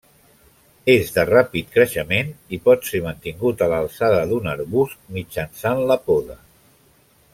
És de ràpid creixement i pot ser mantingut a l'alçada d'un arbust mitjançant la poda.